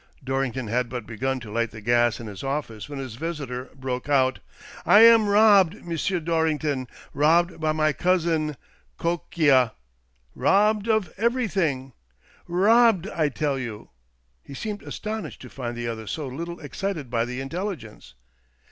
Dorrington had but begun to light the gas in his office when his visitor broke out, "I am robbed, M'sieu Dorrington, robbed by my cousin — coquin! Krrobbed of everything ! Errobbed I tell you !" He seemed astonished to find the other so little excited by the intelligence.